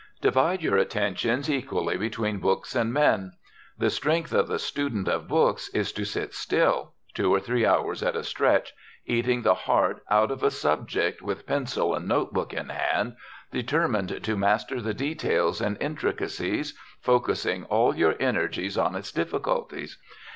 Divide your attentions equally between books and men. The strength of the student of books is to sit still two or three hours at a stretch eating the heart out of a subject with pencil and notebook in hand, determined to master the details and intricacies, focussing all your energies on its difficulties.